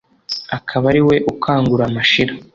akaba ari we ukangura Mashira